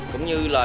cũng như là